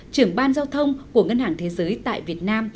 trưởng ban giao thông của ngân hàng thế giới tại việt nam